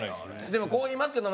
でもこう言いますけど。